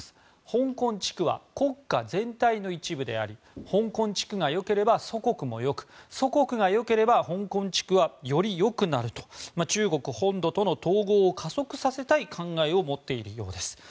香港地区は国家全体の一部であり香港地区が良ければ祖国も良く祖国が良ければ香港地区はより良くなると中国本土との統合を加速させたい考えを持っているようです。